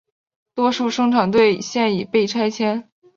多数生产队现已被拆迁。